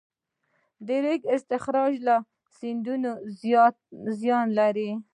د ریګ استخراج له سیندونو زیان لري؟